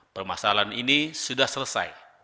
permasalahan ini sudah selesai